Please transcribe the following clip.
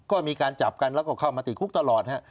ก็มีการจับกันแล้วก็เข้ามาติดคุกตลอดฮะ